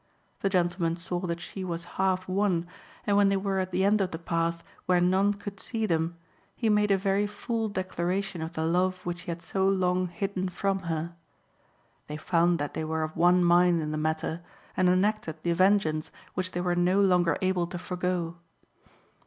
The gentleman saw that she was half won, and when they were at the end of the path, where none could see them, he made a very full declaration of the love which he had so long hidden from her. They found that they were of one mind in the matter, and enacted (7) the vengeance which they were no longer able to forego.